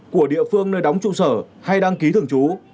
của địa phương nơi đóng trụ sở hay đăng ký thường trú